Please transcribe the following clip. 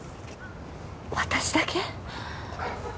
私だけ？